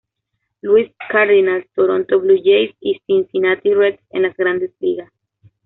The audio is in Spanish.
Louis Cardinals, Toronto Blue Jays y Cincinnati Reds en las Grandes Ligas.